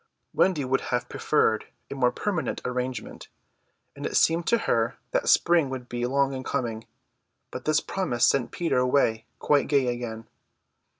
Wendy would have preferred a more permanent arrangement; and it seemed to her that spring would be long in coming; but this promise sent Peter away quite gay again.